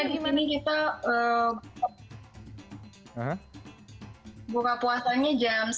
karena dimana kita buka puasanya jam sembilan